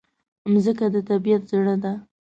مځکه د طبیعت زړه ده.